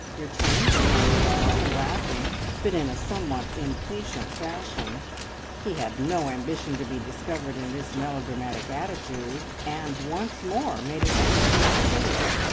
returned the young fellow, laughing, but in a somewhat impatient fashion. He had no ambition to be discovered in this melodramatic attitude, and once more made an effort to escape.